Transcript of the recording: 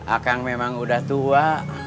akang memang udah tua